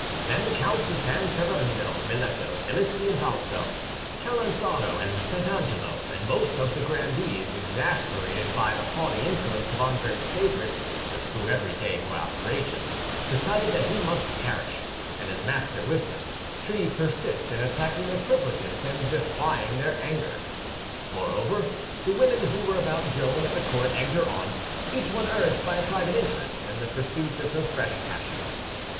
Then the Counts of San Severino, Mileto, Terlizzi and Balzo, Calanzaro and Sant' Angelo, and most of the grandees, exasperated by the haughty insolence of Andre's favourite, which grew every day more outrageous, decided that he must perish, and his master with him, should he persist in attacking their privileges and defying their anger. Moreover, the women who were about Joan at the court egged her on, each one urged by a private interest, in the pursuit of her fresh passion.